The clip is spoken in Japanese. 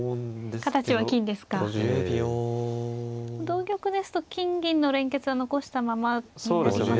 同玉ですと金銀の連結を残したままになりますが。